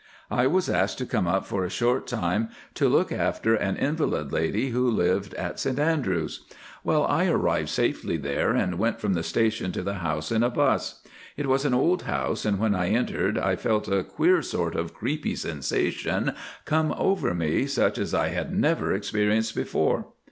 I was asked to come up for a short time to look after an invalid lady who lived at St Andrews. Well, I arrived safely there, and went from the station to the house in a 'bus. It was an old house, and when I entered I felt a queer sort of creepy sensation come over me such as I had never experienced before.